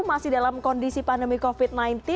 masih dalam kondisi pandemi covid sembilan belas